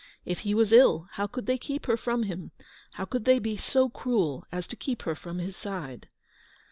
If he was ill, how could they keep her from him, how could they be so cruel as to keep her from his side